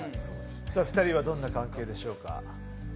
２人は、どんな関係でしょうか？